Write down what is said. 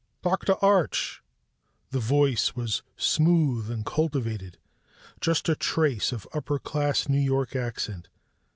"Dr. Arch?" The voice was smooth and cultivated, just a trace of upper class New York accent.